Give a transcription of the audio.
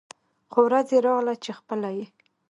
خو ورځ يې راغله چې خپله یې